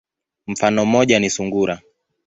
Mfano moja ni sungura.